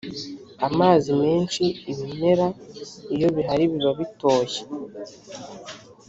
amazi menshi ibimera iyo bihari biba bitoshye.